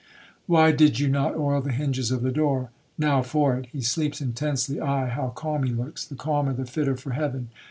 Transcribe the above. Why did you not oil the hinges of the door?—now for it. He sleeps intensely,—aye, how calm he looks!—the calmer the fitter for heaven.